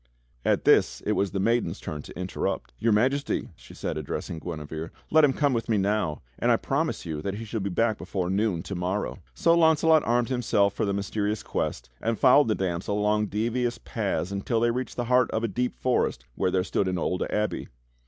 At this it was the maiden's turn to interrupt. "Your Majesty," said she addressing Guinevere, "let him come with me now, and I promise you that he shall be back before noon to morrow." So Launcelot armed himself for the mysterious quest, and fol lowed the damsel along devious paths until they reached the heart of a deep forest where there stood an old abbey.